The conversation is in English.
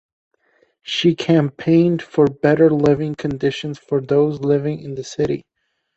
She campaigned for better living conditions for those living in the city.